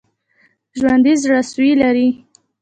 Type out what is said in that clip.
ژوندي زړسوي لري